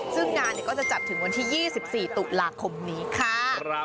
ซึ่งงานก็จะจัดถึงวันที่๒๔ตุลาคมนี้ค่ะ